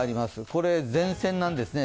これ、前線ですね。